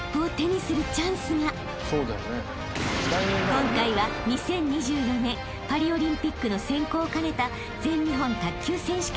［今回は２０２４年パリオリンピックの選考を兼ねた］